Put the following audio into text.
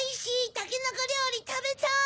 たけのこりょうりたべたい！